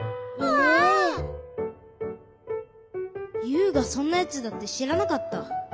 ユウがそんなやつだってしらなかった。